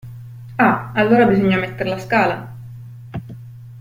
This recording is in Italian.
Ah, allora bisogna metter la scala.